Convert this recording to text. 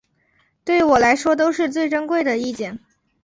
对我来说都是最珍贵的意见